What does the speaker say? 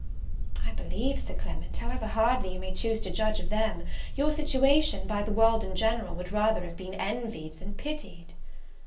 "I believe, Sir Clement, however hardly you may choose to judge of them, your situation, by the world in general, would rather have been envied than pitied."